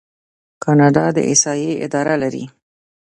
کاناډا د احصایې اداره لري.